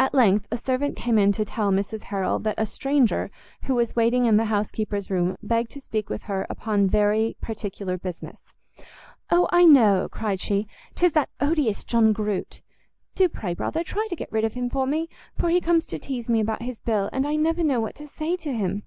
At length a servant came in to tell Mrs Harrel that a stranger, who was waiting in the house keeper's room, begged to speak with her upon very particular business. "O, I know," cried she, "'tis that odious John Groot: do pray, brother, try to get rid of him for me, for he comes to teize me about his bill, and I never know what to say to him."